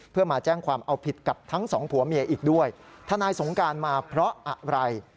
เพื่อมาแจ้งความเอาผิดกับทั้งสองผัวเมียอีกด้วยทนายสงการมาเพราะอะไร